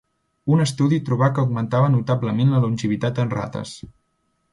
Un estudi trobà que augmentava notablement la longevitat en rates.